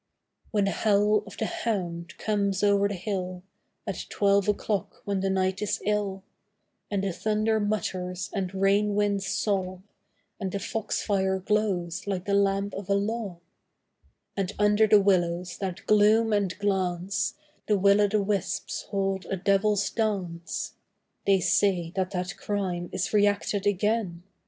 When the howl of the hound comes over the hill, At twelve o'clock when the night is ill, And the thunder mutters and rain winds sob, And the foxfire glows like the lamp of a Lob; And under the willows, that gloom and glance, The will o' the wisps hold a devil's dance; They say that that crime is reacted again.